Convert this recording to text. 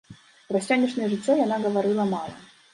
Пра сённяшняе жыццё яна гаварыла мала.